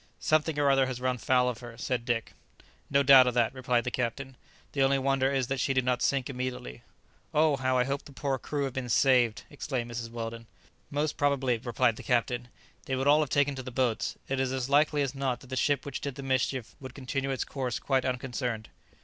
"Something or other has run foul of her," said Dick. "No doubt of that," replied the captain; "the only wonder is that she did not sink immediately." "Oh, how I hope the poor crew have been saved!" exclaimed Mrs Weldon. "Most probably," replied the captain, "they would all have taken to the boats. It is as likely as not that the ship which did the mischief would continue its course quite unconcerned."